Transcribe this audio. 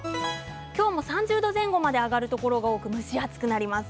今日も３０度前後まで上がるところが多く蒸し暑くなります。